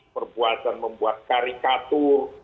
perbuatan membuat karikatur